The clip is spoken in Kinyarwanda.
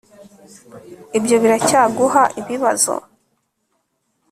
Ibyo biracyaguha ibibazo